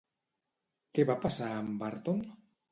Què va passar amb Burton?